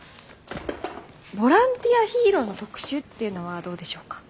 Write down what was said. ボランティアヒーローの特集っていうのはどうでしょうか。